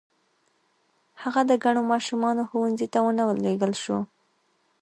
هغه د کڼو ماشومانو ښوونځي ته و نه لېږل شو.